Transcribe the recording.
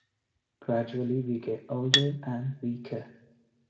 Gradually we get older and weaker.